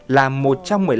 là một trong